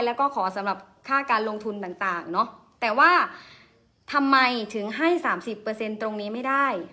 แล้วก็ขอสำหรับค่าการลงทุนต่างต่างเนอะแต่ว่าทำไมถึงให้สามสิบเปอร์เซ็นต์ตรงนี้ไม่ได้